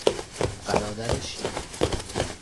برادر شیری